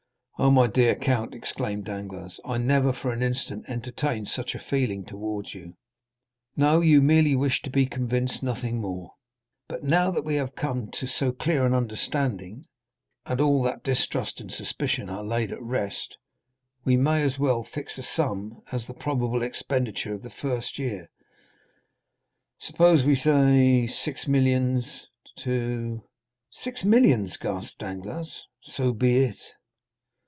"Oh, my dear count," exclaimed Danglars, "I never for an instant entertained such a feeling towards you." "No, you merely wished to be convinced, nothing more; but now that we have come to so clear an understanding, and that all distrust and suspicion are laid at rest, we may as well fix a sum as the probable expenditure of the first year, suppose we say six millions to——" "Six millions!" gasped Danglars—"so be it."